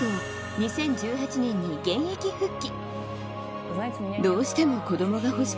２０１８年に現役復帰。